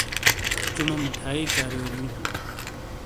چونو مٹھائی کاریو ریوں ہوں۔